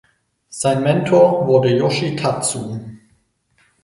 Sein Mentor wurde Yoshi Tatsu.